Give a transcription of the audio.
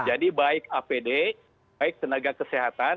jadi baik apd baik tenaga kesehatan